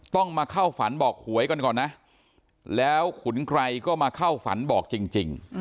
ต้องมาเข้าฝันบอกหวยกันก่อนนะแล้วขุนไกรก็มาเข้าฝันบอกจริง